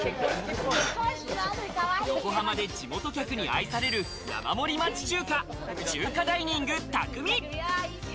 横浜で地元客に愛される山盛り町中華、中華ダイニングたくみ。